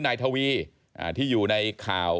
นายทวีที่อยู่ในข่าว